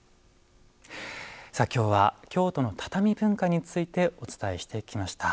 さあ今日は京都の畳文化についてお伝えしてきました。